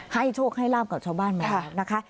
ให้โชคให้ราบกับชาวบ้านมั้ยนะคะ